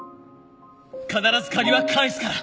必ず借りは返すから！